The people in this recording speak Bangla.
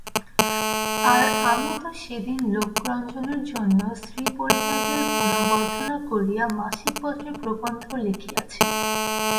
আর, আমিই তো সেদিন লোকরঞ্জনের জন্য স্ত্রীপরিত্যাগের গুণবর্ণনা করিয়া মাসিকপত্রে প্রবন্ধ লিখিয়াছি।